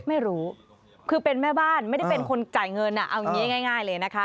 ไม่รู้คือเป็นแม่บ้านไม่ได้เป็นคนจ่ายเงินเอาอย่างนี้ง่ายเลยนะคะ